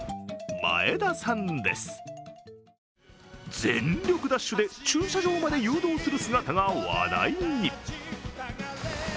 全力ダッシュで駐車場まで誘導する姿が話題に。